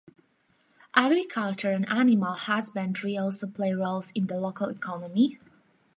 Agriculture and animal husbandry also play roles in the local economy.